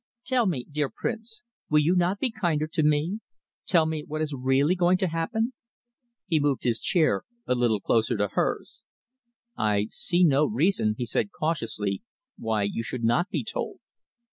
Tell me, dear Prince, will you not be kinder to me? Tell me what is really going to happen?" He moved his chair a little closer to hers. "I see no reason," he said cautiously, "why you should not be told.